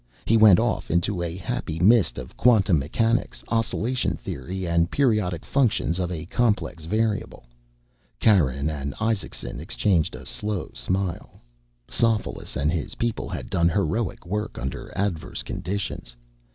He went off into a happy mist of quantum mechanics, oscillation theory, and periodic functions of a complex variable. Karen and Isaacson exchanged a slow smile. Sophoulis and his people had done heroic work under adverse conditions.